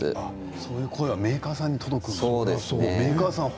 その声がメーカーさんに届くんですね。